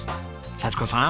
幸子さん。